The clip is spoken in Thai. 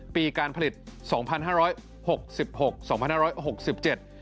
ปีการผลิต๒๕๖๖๒๕๖๗บาท